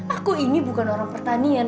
aku ini bukan orang pertanian